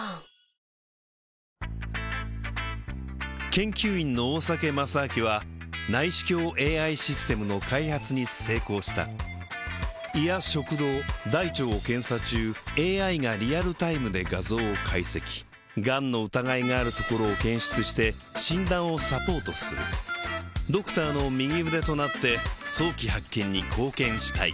研究員の大酒正明は内視鏡ＡＩシステムの開発に成功した胃や食道大腸を検査中ＡＩがリアルタイムで画像を解析がんの疑いがあるところを検出して診断をサポートするドクターの右腕となって早期発見に貢献したい